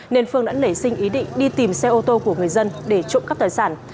nên phương đã nảy sinh ý định đi tìm xe ô tô của người dân để trộm cắp tài sản